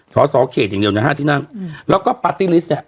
สอสอเขตอย่างเดียวนะฮะห้าที่นั่งแล้วก็ปาร์ตี้ลิสต์เนี่ย